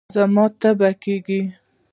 زما تبه کېږي